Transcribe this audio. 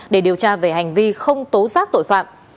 để điều tra về hành vi không tố giác tội phạm